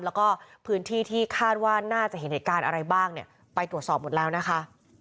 แล้วก็พื้นที่ที่คาดว่าน่าจะเห็นเหตุการณ์อะไรบ้างเนี่ยไปตรวจสอบหมดแล้วนะคะ